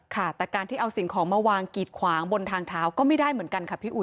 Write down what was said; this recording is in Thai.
ค่ะแต่การที่เอาสิ่งของมาวางกีดขวางบนทางเท้าก็ไม่ได้เหมือนกันค่ะพี่อุ